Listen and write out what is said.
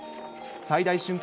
最大瞬間